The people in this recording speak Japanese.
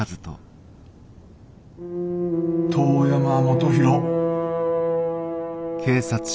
遠山元宏。